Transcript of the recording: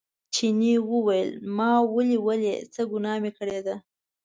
چیني وویل ما ولې ولئ څه ګناه مې کړې ده.